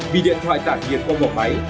vì điện thoại tản nhiệt không bỏ máy